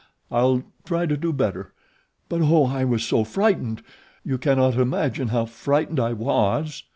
"I'll try to do better; but, Oh! I was so frightened. You cannot imagine how frightened I was."